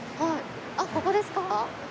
あっここですか？